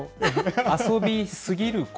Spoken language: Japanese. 遊びすぎる心？